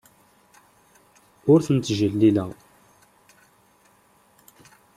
Ur ten-ttjellileɣ.